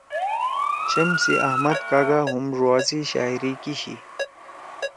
چھم سی احمد کاگا ہُم ڙوا سی شاعری کیِشی۔